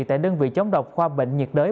tại đơn vị chống độc khoa bệnh nhiệt đới